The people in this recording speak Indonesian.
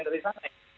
dari sana ya